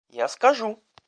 Я скажу.